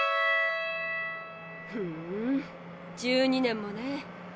ふん１２年もね。